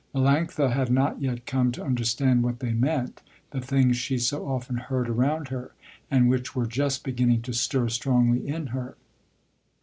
Melanctha had not yet come to understand what they meant, the things she so often heard around her, and which were just beginning to stir strongly in her.